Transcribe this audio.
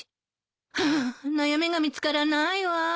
ああ悩みが見つからないわ。